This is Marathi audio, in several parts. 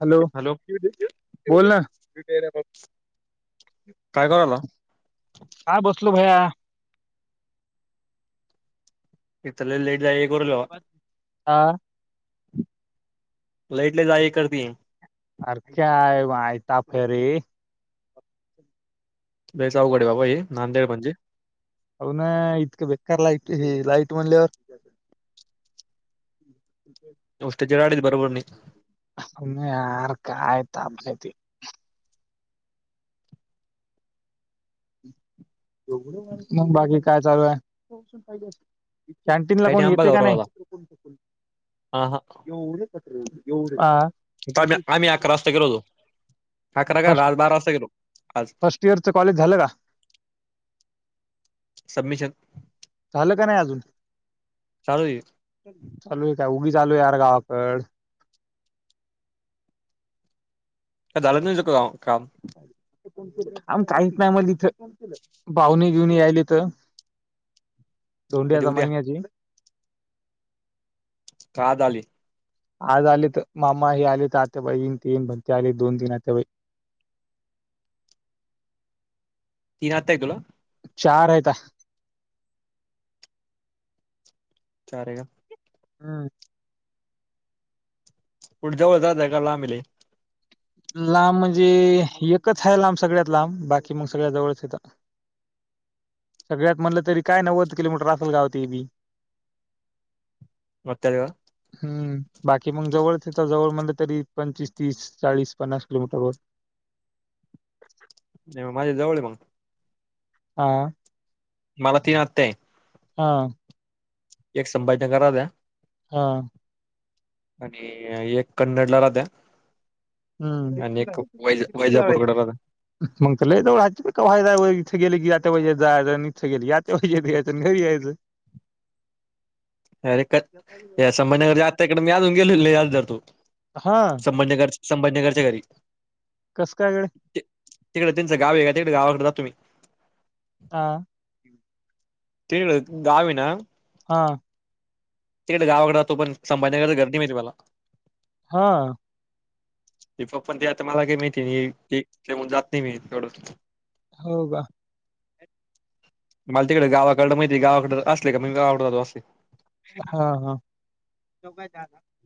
हॅलो बोल ना. तर. काय कराला. काय बसलो भैया. एकतर लई लईट जाए आं? लईट लई जाए करती. [unintelligible] लइच अवघडे बाबाहे नांदेड म्हंजे. होना इतकं बेकार लाईट हे लाईट म्हणल्यावर दोस्ताच्या गाडी बरोबर नइ. नाही यार काय तापलंते. मं बाकी काय चालूआय? कॅन्टीन ला काही नाही कोन आंबा येते का गावराला नाय? आला. हा हा आ? तामी आमी आकरा वास्ता गेलोतो. आकरा काल फर्स्ट आज बारा वास्ता गेलो आज. फर्स्ट इयरचं कॉलेज झालं का सबमिशन. झालं का नाय अजून? चालू आहे मीच आलोयार गावाकंड. का झालंचन तुझं काम काम? आमच्या ऐकन्यामधी इथं पाऊने बिउने यायलेत. [inaudible] धोंड्याचा उद्या महिन्याची. काआज‌आली? आज आलेतं मामा हे आलेतं आत्या बाईन तीन भक्ती आले दोनतीन आत्याबाई. [inaudible] तीन आत्त्याये तुला? चार आयता. चारे का? हम्. कुटं जवळ जाताय का लांबेलै? लाम म्हंजे एकच हाय लाम सगळ्यात लाम बाकी मग सगळ्या जवळचयता. [inaudible] सगळ्यात म्हणलं तरी काय नव्वद किलोमीटर असल गाव तेबी. मतरवा. हम्म बाकी मग जवळच तर जवळ म्हणलं तरी पंचवीस, तीस, चाळीस. पन्नास किलोमीटरवर. नाईम माझ्या जवळेम. हां. मला तीन आत्त्याय. हां. एक संभाजीनगरात्या. हां. आणिइ येक कन्नडला राहत्या. हम्म आणि एक वैज वैजापूरकडे राहत्या मगत लै जवळ हाय्च कवाय जाय व्हय. थं गेलकी आत्त्याबाईच्यात जायंच आणि इथं गेलकी या आत्याबाईच्यात यायचं अन् घरी यायचं. अरे क् या संभाजीनगरच्या आत्याकडे मी अजून गेलेलो नइ आज जातो. हां? संभाजीनगरच्या घरी काय गड्या ती् तिकडं त्यांचं गावेका तिकडं गावाकडं जा तुम्ही? हां. तिक्डं गावेना हां. तिकडे गावाकडे राहतो पण संभाजण्याकर गर्दी माहितीुम्हाला हा ते पप्पण ते आता मला काही माहिती तेन जात नाही मी तेवढं हो का मला तिकडे गावाकड माहिती गावाकड असले का मी गावाकडतो असे हा हा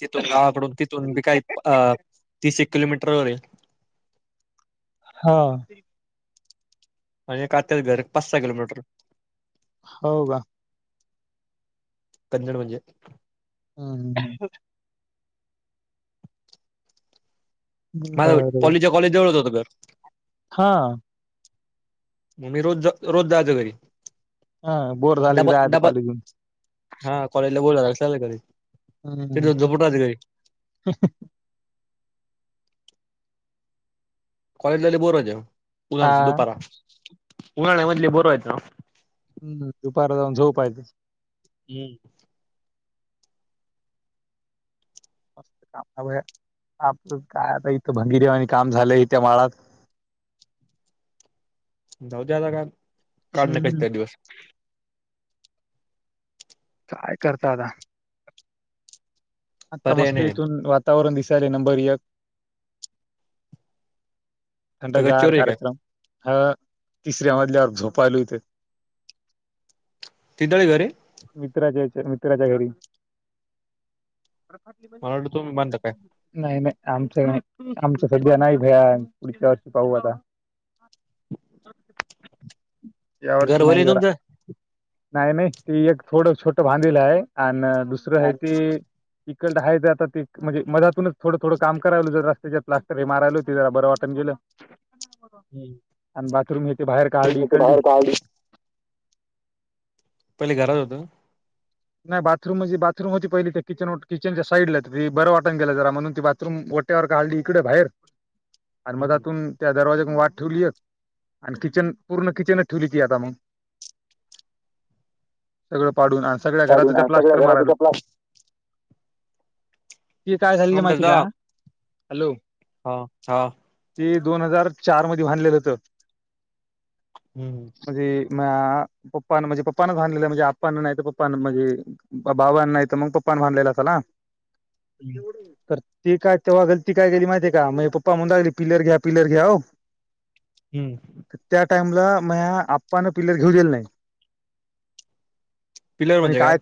तिथून गावाकडून तिथून मी काही अ ति किलोमीटर वर हा आणि काात्याच घर पाच सहा किलोमीटर हो का कन्नड म्हणजे हम्म ह् माझ बरोबर पॉलेच्या कॉलेज जवळत होत तर हा मम्मी रोज रोज दाज घरी हा बोर झाले की डब जायचं डब कॉलेजून हा कॉलेजला बोलावल चालला हम्म घरी. [unintelligible] कॉलेजला लय बोर व्हायच. आ उन्हाळ्याच दुपारा उन्हाळ्यामध्ये लय बोर व्हायचं. हम्म दुपार जाऊन झोपायचं. हम्म मस्त काम आपलं काय आता इथं भंगीरी वानी काम झालंय इथे माळात. जाऊदे आता काय, काढ ना हम्म, कसंतरी दिवस. काय करता आता. आता पर्याय मस्त नाही इथून वातावरण दिसायले नंबर एक. का थंडगार गच्चीवर आहे काय कार्यक्रम हा तिसऱ्या मधल्यावर झोपायलो इथ. तिथळे घर आहे मित्राचे याच्या मित्राच्या घरी. मला वाटलं तुम्ही बांधता नाही नाही आमचं आमच सध्या नाही भया. पुढच्या वर्षी पाहू आता. या काय घर वर्षी नाही भले जरा. तुमचं नाही नाही ती एक थोड छोट भांधील आहे. आण दुसरं आहे ते इकडाय आता ते म्हणजे मधातूनच थोंड थोड काम करायलो. जरा रस्त्याच प्लास्टर हे मारायलं. ते जरा बंर वाटण गेलं. आणि बाथरूम हे ते बाहेर काढली इकळली. बाहेर काढली पहिले घरात होत. नाही बाथरूम म्हणजे बाथरूम होती पहिली त्या किचन किचनच्या साईडला बंर वाटण गेलं जरा. म्हणून ती बाथरूम काढली इकडे बाहेर. आणि मग त्यातुन त्या दरवाजा वाट ठेवली एक. आणि किचन पूर्ण किचनच ठेवली की आता मग. सगळं पाडून. आणि सगळ्या घराच काढून तर सगळ्या प्लास्टर घरात मारायलो. त्या प्लास्टिक त काय झालेले माहिती का? हॅलो ह हा ते दोन हजार चार मध्ये बांधलेलं होत. हम्म मह्या पप्पान म्हणजे पप्पानं बांधलेलं. म्हणजे आप्पाने नाही तर प प्प म्हणजे बाबां नाही तर मग पप्पाने बांधलेला असेल ना. ते काय तेव्हा गलती काय केली माहितीय का? माझे पप्पा म्हणू लागले पिल्लर घ्या पिल्लर घ्या हो हम्म टाईमला माह्या आप्पान पिलर घेऊ दिल नाही. पिलर आणि म्हणजे काय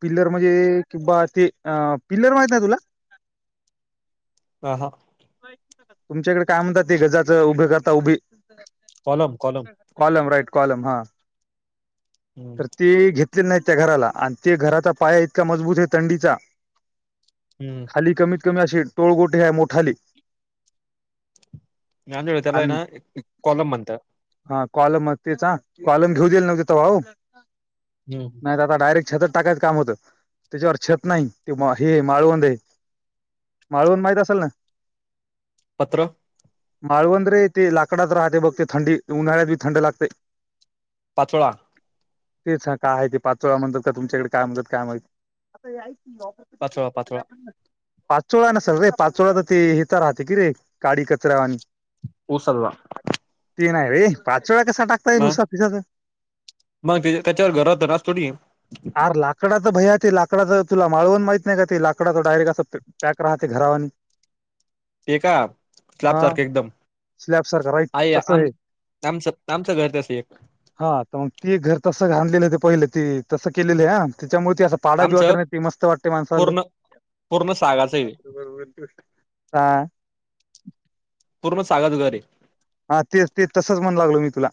पिल्लर म्हणजे किंवा ते अ पिल्लर माहित नाही तुला. हा हा तुमच्याकडे काय म्हणतात. ते गजाच उभे करता उभे. Column column. Column right column हा हम्म तर ते घेतले नाही. त्या घराला आणि घराचा पाया इतका मजबूत आहे. तंडीचा हम्म खाली कमी कमी अशी टोळगोटी हाय असे मोठाले. आमच्याकडे त्याला आणि ना कॉलम म्हणतात. कलम म तेच कॉलम घेऊ दिले नव्हते तेव्हा. हो हम्म नाहीत दादा डायरेक्ट छत टाकायच होत. त्याच्यावर छत नाही. ते हे माळवंद हे माळवंद माहित असेल ना. पत्र माळवंद रे ते लाकडात राहते. ते थंडी उन्हाळ्यात बी थंड लागतय. पाचोळा. तेच का आहे ते पाच वेळा मंतर का तुमच्याकडे काय म्हणत काय माहि पाचोळा पाचोळा [unintelligible] [unintelligible] पाचोळा नसेल रे, पाचवोळा तर ते येचा राहत राहते की रे काडी कचऱ्या वाणी हो सल्ला तीन नाही रे पाचोळा कसा टाकता येईल उसा फिसाचा मग त्याच्यावर घरात रा आर लाकडाचं भयात ते लाकडाच तुला माळवण माहित नाही का ते लाकडाच डायरेक्ट असं पॅक राहते घरावानी ते का हा स्लाबसारखं एकदम स्लॅब सारखा राईट तसं आहे. आमचं आमचं घर तसं एक हा ते घर तसं घा आणलेलं ते पहिले ते तसं केलेलीय च्या मुळं ते असं आमचं पाडात मस्त वाटते माणसाले पूर्ण पूर्ण सागाचं आहे ब हा [unintelligible] पूर्ण साधाच घर हे. हा ते ते तसच मनू लागलो मी तुला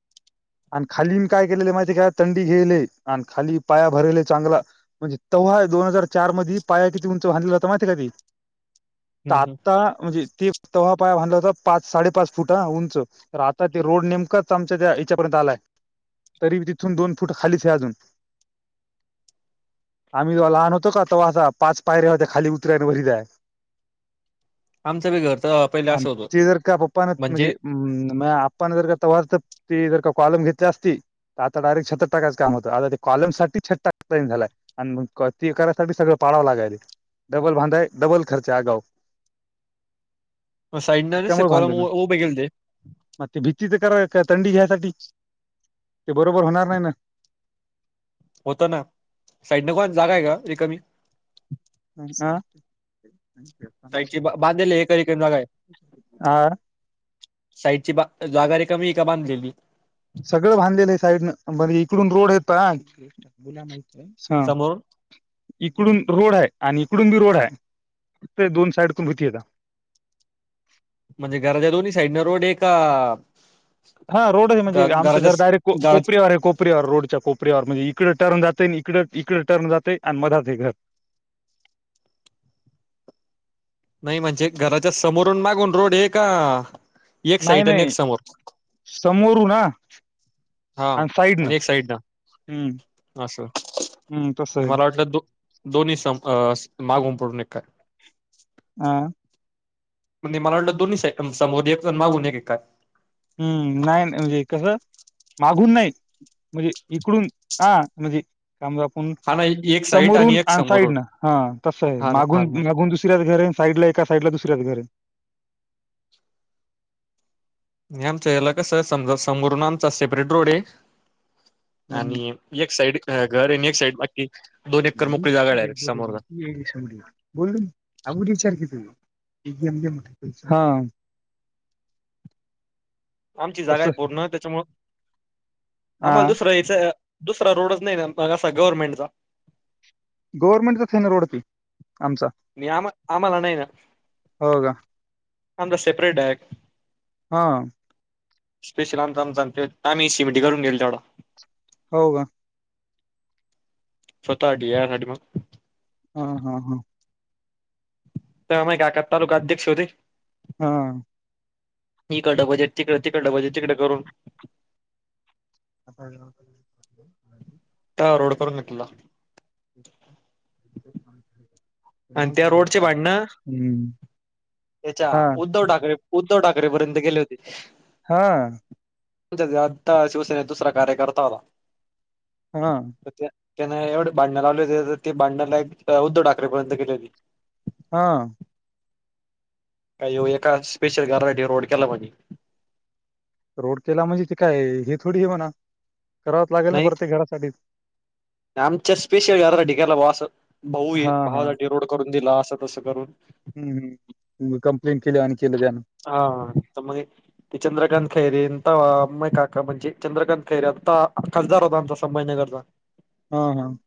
[unintelligible] आणि खाली मी काय केलेलं माहितीय का थंडी घेयले आणि खाली पाया भरले चांगला म्हणजे तव्हा दोन हजार चार मध्ये पाया किती उंच भरला होता माहिती आहे का मी? आ हम्म हम्म. आता म्हणजे ते तव्हा पाया बधला होता पाच साडेपाच फूट हा उंच. तर आता ते रोड नेमकाच आमच्या त्या ह्यच्यापर्यंत आलाय. तरी तिथून दोन फूट खालीच आहे अजून. [unintelligible] आम्ही जेव्हा लहान होतो का तव्हा आता पाच पायऱ्या होत्या खाली उतर्या व घरी जायला. आमचं बी घर तेव्हा असं होतं. पप्पान म्हणजे मं आप्पन जर तव्हा ते जर का कॉलम घेतल्या असती आता डायरेक्ट छतं टाकायचं काम होतं. आता ते कॉलम साठी छत टाकता येईना झालाय आणि तेका रस्ता भी पाळावं लागायलीत. डबल बांधाय डबल खर्च आ आगाव. [unintelligible] साईडनं त्या नसते मुळं कॉलम भांडण उ- उभे केले ते मग भीतीचं करांय थंडी हे असं ते बरोबर होणार नाही ना होत ना साईड ला कोण जागा हाय का रिकामी? ना अ साइडची बा बांधले एक एक जागा हे. हा साईडची बा जागा रिकामी आहे की बांधलेली? सगळं बांधलेलं आहे साईडनं बर इकडून रोड येत हा. समोरून इकडून रोड आहे आणि इकडून बी रोड आहे ते दोन साइड तून भतीता म्हणजे घराच्या दोन्ही साईड न रोड हे का? हा रोड आहे का म्हणजे आमचं घराच्या घर स- डायरेक्ट घराच्या कोपऱ्यावर हे कोपऱ्यावर रोडच्या कोपऱ्यावर म्हणज इकडं टर्न जातंय आणि इकडं इकड टर्न जातय आणि म रातय घर नाही म्हणजे घराच्या समोरून मागून रोड हे का? एक नाही साइट न एक नाही समोर. समोरून हा हा आणि एक साइड हम्म नं असं हम्म तसं आहे मला वाटलं दो दोन्ही स अं मागून पडून एक काय? हा म्हणजे मला वाटलं दोन्ही सा समोर एक जण मागून हे कि काय? हम्म! नाही म्हणजे कसं मागून नाही म्हणजे इकडून हा म्हणजे समजा आपुण हा ना एक साईट समोरून एक आणि समोरून साईडनं. हा तसं हाय. हा ना हा मागून ना मागून दुसऱ्या घरये साईडला एका साईडला दुसऱ्या घर आमचं याला कसं समजा समोरून आमचा सेपरेट रोडये म्हणून आणि एक साइड घर आणि एक साइड. बोल नाी ए सगडी बोललून आगडीचारखी तुझ. हा. आमची जागा तसं आहे पूर्ण त्याच्यामु हा आम्हाला दुसरं याच. दुसरा रोडच नाही ना मग असा गव्हर्नमेंटचा गव्हर्नमेंट तरथे ना रोडत. मी आम आम्हाला नाही ना हो का आमचा सेपरेट डाय. हा. स्पेशल आमचा आमचा आमही शिमेट करून गेल तेवढा हो का? फतडी या सा मग हा हा हा. तर अम काका तालुका अध्यक्ष होती. हा. ही कड पाजे तिकडे त कडलंं पाहिजे तिकडे करून आ. त्या रोड पून निघला. आणि त्या रोडचे भांडण हम्म. त्याच्या हा उद्धव ठाकरे उद्धव ठाकरे पर्यंत गेले होते. हा. म्हण आता शिवसेनेचा दुसरा कार्यकर्ता होता. हा. त्याना एवढे भांडण लावले होते तर ती भांडणला एक उद्धव ठाकरे पर्यंत गेलेली. हा. काही हो एका स्पेशल गाड रोड केला म्हजे रोड केला म्हणजे ते काय हे थोडी हे बणा. लागेल ना नाही प्रत्येक घरासाठी आमच्या स्पेशल घराचा केला भा भाऊ हा हा भावासाठी रोड. दिला असं तसं करून हम्म हम् कंप्लेनट केली आण. हा तर मग ते चंद्रकांत खैरेन आ अमय काका म्हणजे चंद्रकांत खैरे आता खासदार होता आमचा संभाजीनगरचा हम् हम.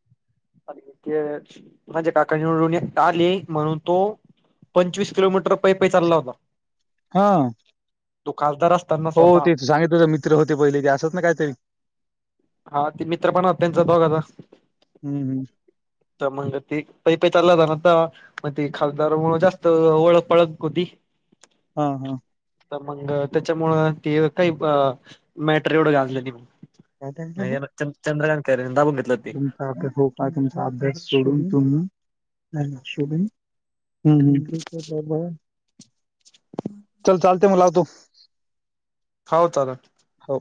ते जे काकणीून आली म्हणून तो. पंचवीस किलोमीटर पै पै चालला होता. हा. तू खासदार असत. हो तेच सांगित तुझ मित्र होते पहिले ते असत ना काही तरी हा ते मित्र पण हो त्यांचा दोघंचा हम्म हम्म. तर मंग ती प प चालला जा नाता मग ते खासदार मु जास्त ओळख पळख होती. हा हा. तर मग त्याच्यामुळं ते काही अ मॅटर एवढं गाजले मग नाही चंद्रकांत. खैरेने दाबून घेतलं ते. तुमचा हो का आहे तुमचा अभ्यास सोडून तुम्ही [unintelligible] चल चालते मग लावतो. हाऊ चाललं. हो.